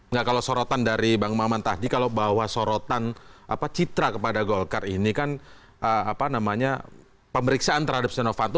enggak kalau sorotan dari bang maman tadi kalau bahwa sorotan citra kepada golkar ini kan apa namanya pemeriksaan terhadap setia novanto